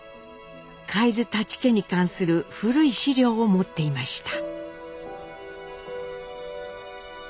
海津舘家に関する古い資料を持っていました。